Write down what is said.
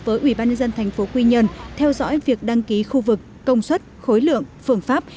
với ủy ban nhân dân tp quy nhơn theo dõi việc đăng ký khu vực công suất khối lượng phương pháp